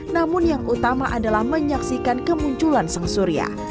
namun yang utama adalah menyaksikan kemunculan sengsuria